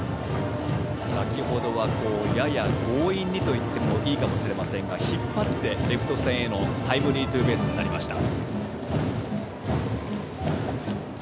先程は、やや強引にと言ってもいいかもしれませんが引っ張ってレフト線へのタイムリーツーベースでした。